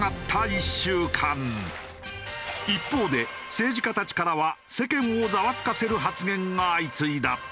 一方で政治家たちからは世間をザワつかせる発言が相次いだ。